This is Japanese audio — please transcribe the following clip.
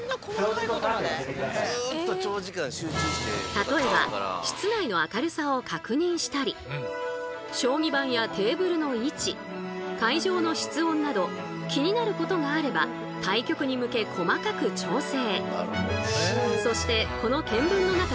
例えば室内の明るさを確認したり将棋盤やテーブルの位置会場の室温など気になることがあれば対局に向け細かく調整。